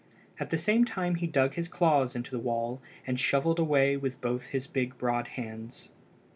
At the same time he dug his claws into the wall and shovelled away with both his big broad hands.